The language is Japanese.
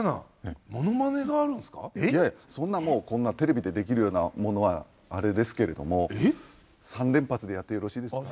いやいやそんなもうテレビでできるようなものはあれですけれども３連発でやってよろしいですか？